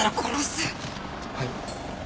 はい。